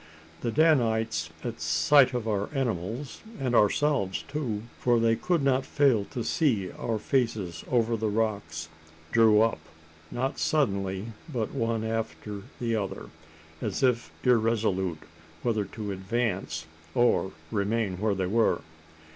The Danites at sight of our animals, and ourselves too for they could not fail to see our faces over the rocks drew up; not suddenly, but one after the other as if irresolute whether to advance, or remain where they were.